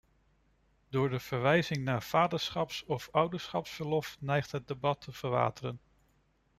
Door de verwijzing naar vaderschaps- of ouderschapsverlof neigt het debat te verwateren.